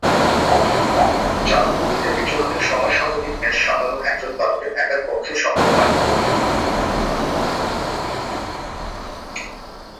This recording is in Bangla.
চারণভূমিতে বিচরণের সময় শতাধিক মেষ সামলানো একজন পালকের একার পক্ষে সম্ভব নয়।